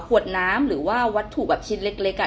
ขวดน้ำหรือว่าวัตถุแบบชิ้นเล็ก